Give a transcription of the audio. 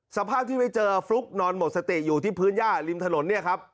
สภาพที่ไปเจอฟลุ๊กนอนหมดสติอยู่ที่พื้นย่าริมถนนเนี่ยครับ